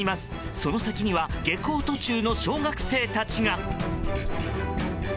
その先には下校途中の小学生たちが。